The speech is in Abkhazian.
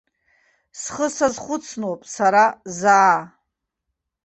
Схы сазхәыцноуп сара заа.